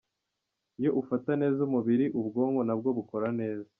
Iyo ufata neza umubiri, ubwonko nabwo bukora neza”.